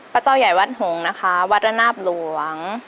พระเจ้าใหญ่วัดหงษ์นะคะวัดระนาบหลวง